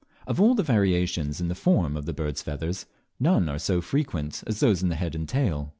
Of all variations in the form of birds' feathers, none are so frequent as those in the head and tail.